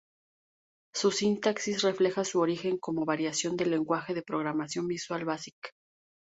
Su sintaxis refleja su origen como variación del lenguaje de programación Visual Basic.